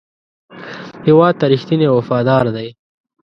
هېواد ته رښتینی او وفادار دی.